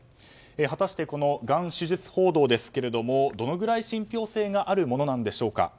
果たしてこのがん手術報道ですけれどもどのぐらい信憑性があるものなんでしょうか。